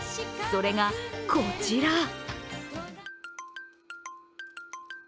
それが、こちら。